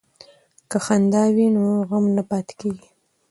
که خندا وي نو غم نه پاتې کیږي.